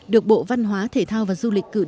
được bộ văn hóa thể thao và du lịch cử tri